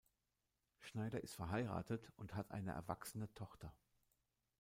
Schneider ist verheiratet und hat eine erwachsene Tochter.